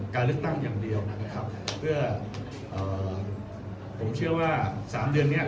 การเลือกตั้งอย่างเดียวนะครับเพื่อเอ่อผมเชื่อว่าสามเดือนเนี้ย